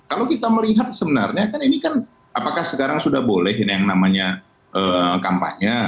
kalau kita melihat sebenarnya kan ini kan apakah sekarang sudah boleh yang namanya kampanye